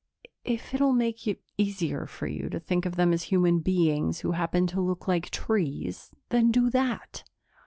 If it'll make it easier for you to think of them as human beings who happen to look like trees, then do that."